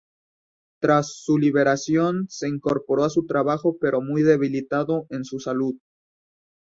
Tras su liberación, se incorporó a su trabajo, pero muy debilitado en su salud.